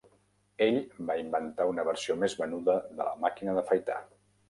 Ell va inventar una versió més venuda de la màquina d'afaitar.